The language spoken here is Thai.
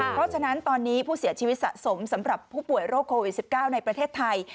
เพราะฉะนั้นตอนนี้ผู้เสียชีวิตสะสมสำหรับผู้ป่วยโรคโควิด๑๙ในประเทศไทย